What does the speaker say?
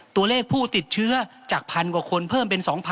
ตัวเลขผู้ติดเชื้อจาก๑๐๐กว่าคนเพิ่มเป็น๒๐๐